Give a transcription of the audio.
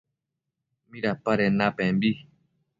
¿Midapaden napembi?